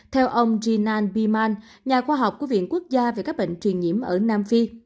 theo ông gnan biman nhà khoa học của viện quốc gia về các bệnh truyền nhiễm ở nam phi